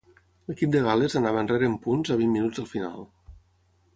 L'equip de Gal·les anava enrere en punts a vint minuts del final.